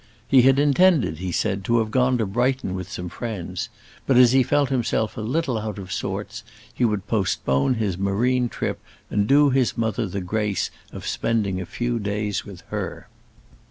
He had intended, he said, to have gone to Brighton with some friends; but as he felt himself a little out of sorts, he would postpone his marine trip and do his mother the grace of spending a few days with her.